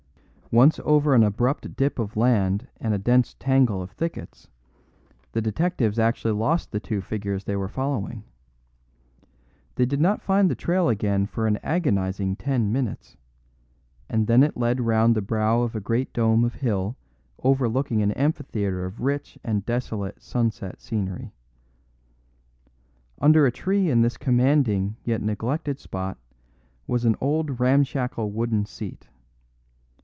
Once over an abrupt dip of land and a dense tangle of thickets, the detectives actually lost the two figures they were following. They did not find the trail again for an agonising ten minutes, and then it led round the brow of a great dome of hill overlooking an amphitheatre of rich and desolate sunset scenery. Under a tree in this commanding yet neglected spot was an old ramshackle wooden seat.